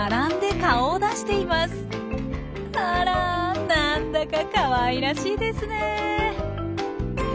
あらなんだかかわいらしいですね。